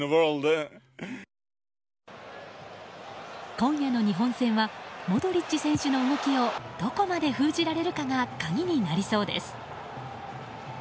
今夜の日本戦はモドリッチ選手の動きをどこまで封じられるかが鍵になりそうです。